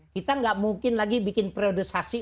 kita tidak mungkin lagi bikin periodisasi